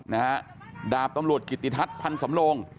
นะฮะดาบตำรวจกิติทัศน์พันธ์สำโลง